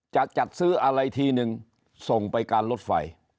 จะจัดซื้ออะไรทีนึงส่งไปการรถไฟ